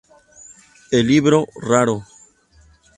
El libro "Raro.